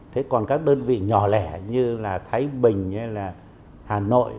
thế còn các đơn vị nhỏ lẻ như là thái bình hay là hà nội